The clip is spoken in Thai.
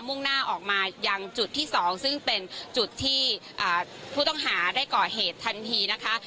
มุ่งหน้าออกมายังจุดที่๒ซึ่งเป็นจุดที่ผู้ต้องหาได้ก่อเหตุทันทีนะคะ